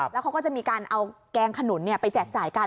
แล้วเขาก็จะมีการเอาแกงขนุนไปแจกจ่ายกัน